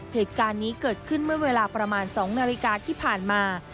เหตุการณ์นี้เกิดขึ้นเมื่อเวลาประมาณ๒นาฬิกาที่ผ่านมา